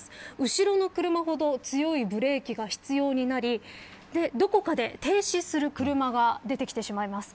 後ろの車ほど強いブレーキが必要になりどこかで停止する車が出てきてしまいます。